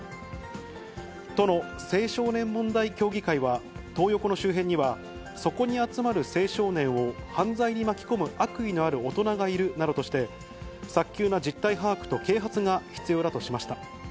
都の青少年問題協議会は、トー横の周辺には、そこに集まる青少年を犯罪に巻き込む悪意のある大人がいるなどとして、早急な実態把握と啓発が必要だとしました。